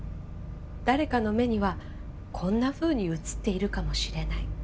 誰かの目にはこんなふうに映っているかもしれない。